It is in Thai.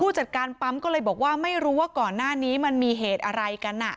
จัดการปั๊มก็เลยบอกว่าไม่รู้ว่าก่อนหน้านี้มันมีเหตุอะไรกัน